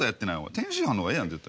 天津飯の方がええやん絶対。